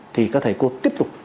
thì các thầy cô tiếp tục